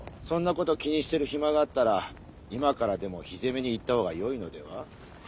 そんなこと気にしてる暇があったら今からでも火攻めに行ったほうがよいのでは？